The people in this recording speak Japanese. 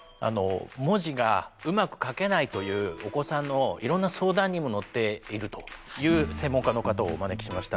文字がうまく書けないというお子さんのいろんな相談にも乗っているという専門家の方をお招きしました。